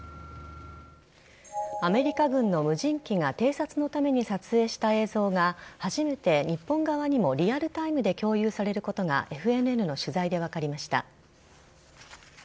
アメリカ軍の無人機が偵察のために撮影した映像が初めて日本側にもリアルタイムで共有されることがＦＮＮの取材で分かりました。